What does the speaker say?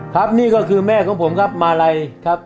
ครับนี่ก็คือแม่ของผมครับมาลัยครับ